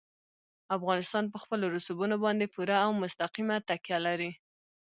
افغانستان په خپلو رسوبونو باندې پوره او مستقیمه تکیه لري.